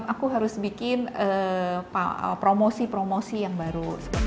aku harus bikin promosi promosi yang baru